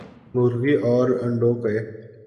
مرغی اور انڈوں ک